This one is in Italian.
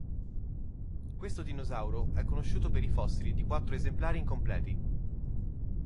Questo dinosauro è conosciuto per i fossili di quattro esemplari incompleti.